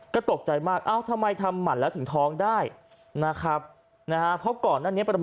ก็ตกใจมากเอ้าทำไมทำหมันแล้วถึงท้องได้